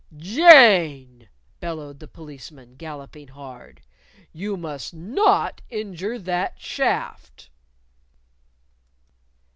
"Jane!" bellowed the Policeman, galloping hard. "You must not injure that shaft!"